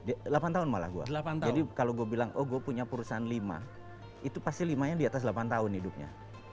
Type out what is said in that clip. delapan tahun malah gue jadi kalau gue bilang oh gue punya perusahaan lima itu pasti limanya di atas delapan tahun hidupnya